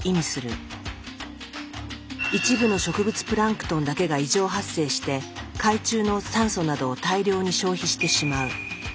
一部の植物プランクトンだけが異常発生して海中の酸素などを大量に消費してしまう。